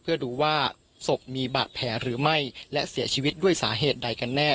เพื่อดูว่าศพมีบาดแผลหรือไม่และเสียชีวิตด้วยสาเหตุใดกันแน่